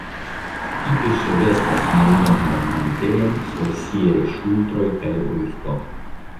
Tipe ŝi vestas mallongan mantelon sur siaj ŝultroj kaj brusto.